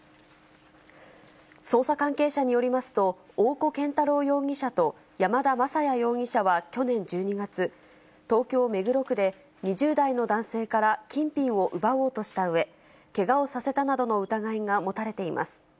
捜査関係者によりますと、大古健太郎容疑者と、山田雅也容疑者は去年１２月、東京・目黒区で、２０代の男性から金品を奪おうとしたうえ、けがをさせたなどの疑いが持たれています。